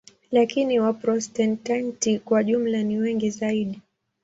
Lakini Waprotestanti kwa jumla ni wengi zaidi.